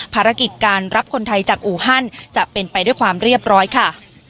ภารกิจการรับคนไทยจากอูฮันจะเป็นไปด้วยความเรียบร้อยค่ะ